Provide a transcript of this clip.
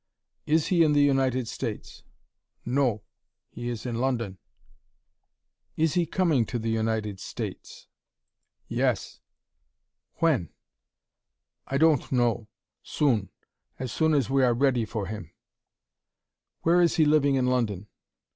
"Is he in the United States?" "No, he is in London." "Is he coming to the United States?" "Yes." "When?" "I don't know. Soon. As soon as we are ready for him." "Where is he living in London?"